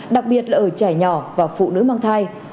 đặc biệt là ở trẻ nhỏ và phụ nữ mang thai